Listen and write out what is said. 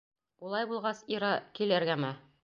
Улай булғас, Ира, кил эргәмә.